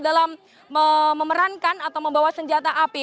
dalam memerankan atau membawa senjata api